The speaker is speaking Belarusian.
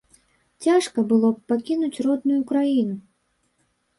Цяжка было б пакінуць родную краіну.